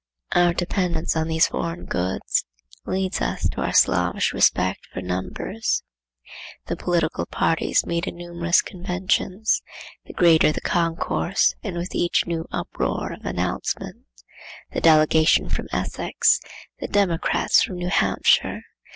Our dependence on these foreign goods leads us to our slavish respect for numbers. The political parties meet in numerous conventions; the greater the concourse and with each new uproar of announcement, The delegation from Essex! The Democrats from New Hampshire!